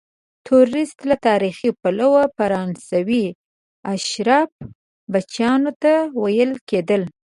توریست له تاریخي پلوه فرانسوي اشرافو بچیانو ته ویل کیدل.